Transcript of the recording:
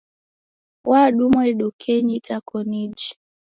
W'adumwa idukeni itakoniji.